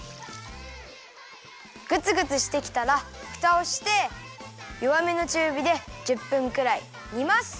グツグツしてきたらふたをしてよわめのちゅうびで１０分くらいにます。